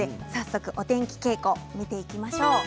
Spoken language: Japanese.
お天気の傾向を見ていきましょう。